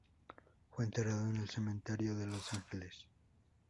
Fue enterrado en el Cementerio, en Los Ángeles.